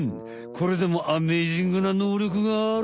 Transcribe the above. これでもアメージングな能力がある。